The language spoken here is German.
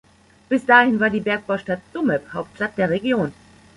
Bis dahin war die Bergbaustadt Tsumeb Hauptstadt der Region.